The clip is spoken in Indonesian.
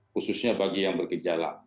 khususnya bagi yang bergejala